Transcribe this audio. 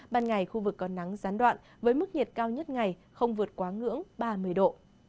ban ngày khu vực có nắng gián đoạn với mức nhiệt cao nhất ngày không vượt quá ngưỡng ba mươi độ